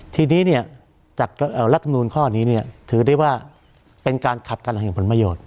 ทีนี้เนี่ยจากรัฐมนูลข้อนี้เนี่ยถือได้ว่าเป็นการขัดกันแห่งผลประโยชน์